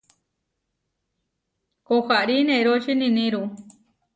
Koharí neróči niníru.